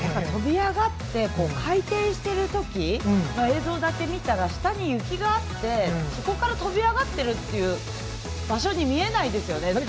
とび上がって回転しているときの映像だけを見たら下に雪があってそこからとび上がっているという場所に見えないですよね。